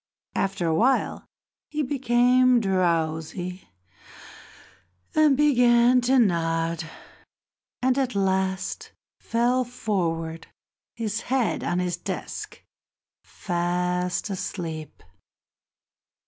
After a while he became drowsy and began to nod, and at last fell forward, his head on his desk, fast asleep.